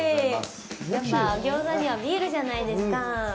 やっぱ、餃子にはビールじゃないですか。